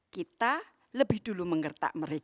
kita lebih dulu menggertak mereka